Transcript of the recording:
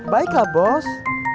baik lah bos